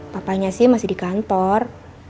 papanya sih masih di kantor